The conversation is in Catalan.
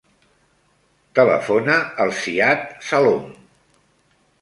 Telefona al Ziad Salom.